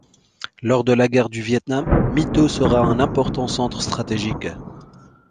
Lors de la guerre du Vietnam, My Tho sera un important centre stratégique.